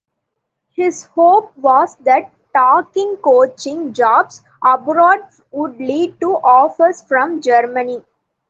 His hope was that taking coaching jobs abroad would lead to offers from Germany.